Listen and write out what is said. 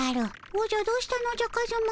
おじゃどうしたのじゃカズマ。